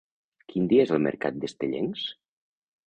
Quin dia és el mercat d'Estellencs?